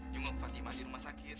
junggok fatimah di rumah sakit